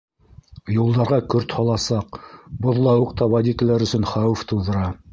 Юлдарға көрт һаласаҡ, боҙлауыҡ та водителдәр өсөн хәүеф тыуҙыра.